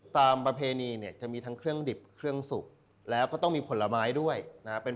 ประเพณีเนี่ยจะมีทั้งเครื่องดิบเครื่องสุกแล้วก็ต้องมีผลไม้ด้วยนะฮะ